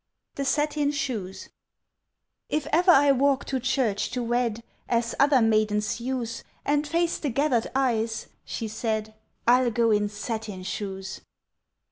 THE SATIN SHOES "IF ever I walk to church to wed, As other maidens use, And face the gathered eyes," she said, "I'll go in satin shoes!"